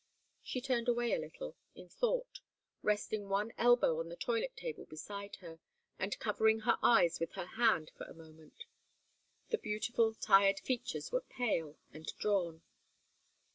She turned away a little, in thought, resting one elbow on the toilet table beside her, and covering her eyes with her hand for a moment. The beautiful, tired features were pale and drawn.